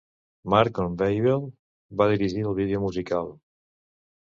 Mark Kornweibel va dirigir el vídeo musical.